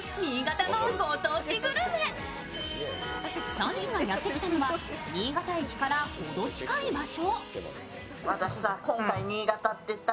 ３人がやって来たのは新潟駅からほど近い場所。